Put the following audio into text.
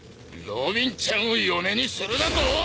ロビンちゃんを嫁にするだとォ！